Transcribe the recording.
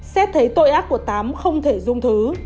xét thấy tội ác của tám không thể dung thứ